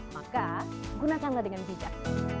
maka gunakanlah dengan bijak